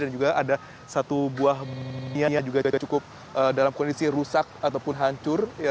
dan juga ada satu buah buahnya juga cukup dalam kondisi rusak ataupun hancur